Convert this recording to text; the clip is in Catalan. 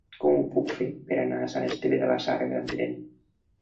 Com ho puc fer per anar a Sant Esteve de la Sarga amb tren?